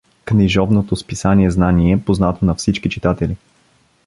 Книжовното списание „Знание“, познато на всички читатели.